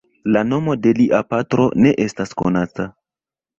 La nomo de lia patro ne estas konata.